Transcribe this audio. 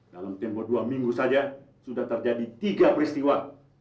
dalam tempoh dua minggu saja sudah terjadi tiga peristiwa